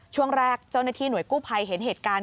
ช่วงแรกเจ้าหน้าที่หน่วยกู้ภัยเห็นเหตุการณ์